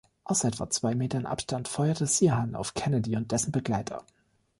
Aus etwa zwei Metern Abstand feuerte Sirhan auf Kennedy und dessen Begleiter.